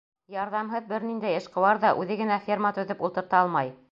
Ярҙамһыҙ бер ниндәй эшҡыуар ҙа үҙе генә ферма төҙөп ултырта алмай.